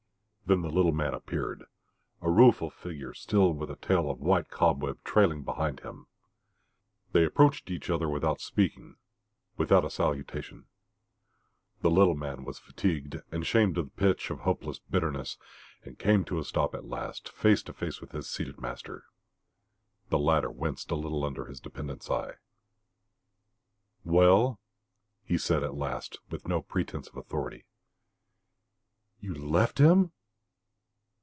Then the little man appeared, a rueful figure, still with a tail of white cobweb trailing behind him. They approached each other without speaking, without a salutation. The little man was fatigued and shamed to the pitch of hopeless bitterness, and came to a stop at last, face to face with his seated master. The latter winced a little under his dependant's eye. "Well?" he said at last, with no pretence of authority. "You left him?"